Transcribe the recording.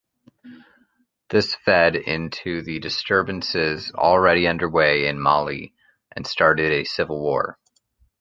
This fed into the disturbances already underway in Mali, and started a civil war.